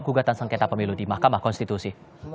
gugatan sengketa pemilu di mahkamah konstitusi